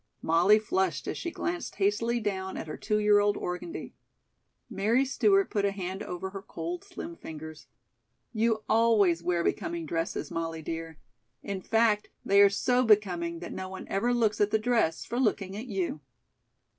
Molly flushed as she glanced hastily down at her two year old organdy. Mary Stewart put a hand over her cold, slim fingers. "You always wear becoming dresses, Molly, dear. In fact, they are so becoming that no one ever looks at the dress for looking at you."